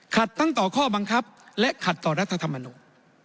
ทั้งต่อข้อบังคับและขัดต่อรัฐธรรมนูล